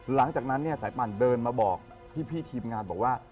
หลังจากนั้นเนี่ยสายปั่นเดินมาบอกพี่ทีมงานบอกว่า